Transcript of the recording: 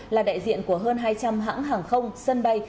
là đại diện của hơn hai trăm linh hãng hàng không sân bay